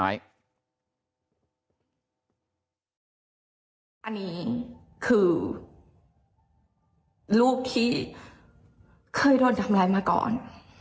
อันนี้คือรูปที่เคยโดนทำร้ายมาก่อน